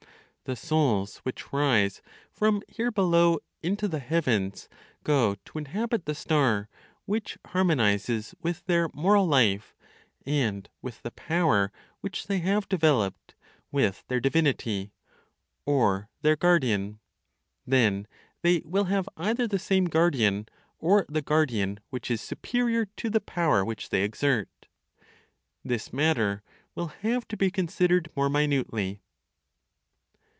The souls which rise from here below into the heavens go to inhabit the star which harmonizes with their moral life, and with the power which they have developed; with their divinity, or their guardian. Then they will have either the same guardian, or the guardian which is superior to the power which they exert. This matter will have to be considered more minutely.